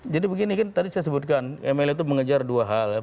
jadi begini kan tadi saya sebutkan mla itu mengejar dua hal ya